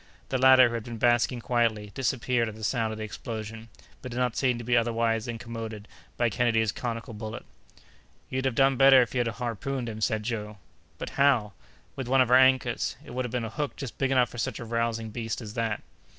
The latter, who had been basking quietly, disappeared at the sound of the explosion, but did not seem to be otherwise incommoded by Kennedy's conical bullet. "You'd have done better if you had harpooned him," said Joe. "But how?" "With one of our anchors. It would have been a hook just big enough for such a rousing beast as that!"